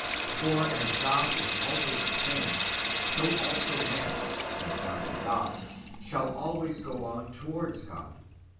For as God is always the same, so also man, when found in God, shall always go on towards God.